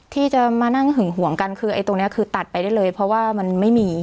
ที่จะมานั่งหึงห่วงกันคือไอ้ตรงนี้คือตัดไปได้เลยเพราะว่ามันไม่มี